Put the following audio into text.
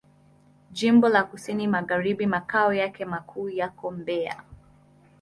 Jimbo la Kusini Magharibi Makao yake makuu yako Mbeya.